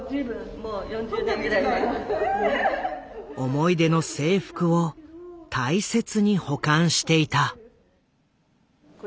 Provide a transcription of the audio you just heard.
思い出の制服を大切に保管していた。